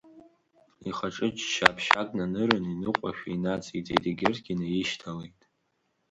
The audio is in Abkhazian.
Ихаҿы ччаԥшьк нанырын, иныҟәашәа инациҵеит, егьырҭгьы наишьҭалеит.